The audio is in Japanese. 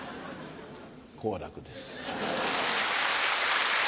好楽です。